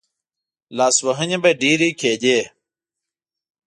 لاسوهنې به ډېرې کېدې.